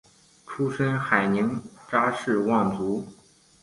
出身海宁查氏望族。